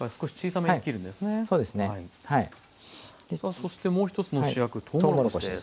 そしてもう一つの主役とうもろこしです。